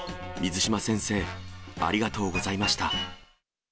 水島先生、ありがとうございました。